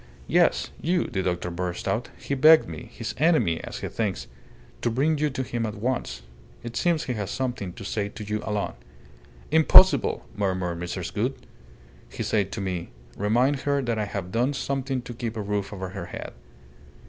"Yes, you!" the doctor burst out. "He begged me his enemy, as he thinks to bring you to him at once. It seems he has something to say to you alone." "Impossible!" murmured Mrs. Gould. "He said to me, 'Remind her that I have done something to keep a roof over her head.